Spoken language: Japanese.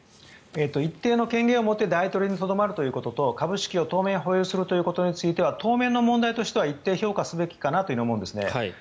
一定の権限を持って代表にとどまるということと株式を当面保有するということについては当面の問題については一定評価すべきかなと思うんです。